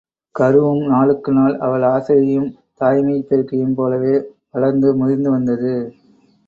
கருவும் நாளுக்கு நாள் அவள் ஆசையையும் தாய்மைப் பெருக்கையும் போலவே வளர்ந்து முதிர்ந்து வந்தது.